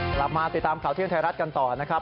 กลับมาติดตามข่าวเที่ยงไทยรัฐกันต่อนะครับ